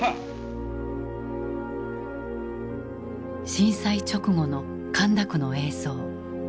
震災直後の神田区の映像。